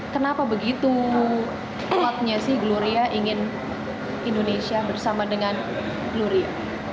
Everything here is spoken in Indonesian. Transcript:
kenapa begitu kuatnya sih gloria ingin indonesia bersama dengan gloria